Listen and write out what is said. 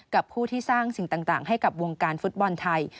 กับผู้ที่สร้างสิ่งต่างให้กับวงการฟุตบอลไทย